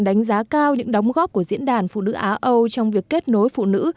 đánh giá cao những đóng góp của diễn đàn phụ nữ á âu trong việc kết nối phụ nữ